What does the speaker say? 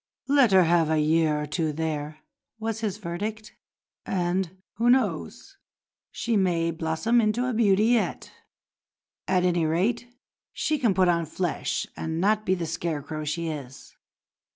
"Let her have a year or two there," was his verdict, "and, who knows, she may blossom into a beauty yet. At any rate she can put on flesh and not be the scarecrow she is."